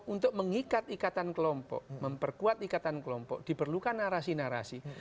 untuk mengikat ikatan kelompok memperkuat ikatan kelompok diperlukan narasi narasi